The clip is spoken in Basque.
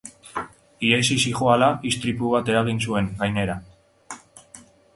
Ihesi zihoala, istripu bat eragin zuen, gainera.